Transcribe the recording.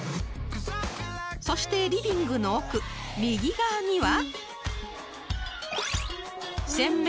［そしてリビングの奥右側には］